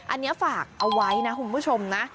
อันนี้ฝากเอาไว้นะคุณผู้ชมนะ